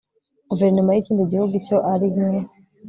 guverinoma y ikindi gihugu icyo arimwe